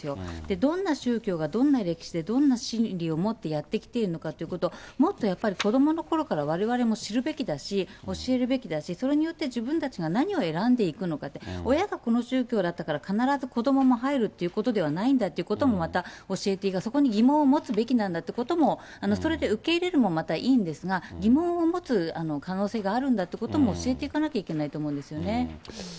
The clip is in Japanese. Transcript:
どんな宗教がどんな歴史でどんな心理を持ってやってきているのかというのを、もっとやっぱり子どものころからわれわれも知るべきだし、教えるべきだし、それによって自分たちが何を選んでいくのかって、親がこの宗教だったから必ず子どもも入るということではないんだということを、また教えていかないと、また疑問を持つべきなんだということも、それで受け入れるもまたいいんですが、疑問を持つ可能性があるんだということも教えていかなきゃいけないと思うんですよね。